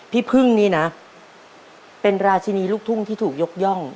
พี่พึ่งนี่นะเป็นราชินีลูกทุ่งที่ถูกยกย่อง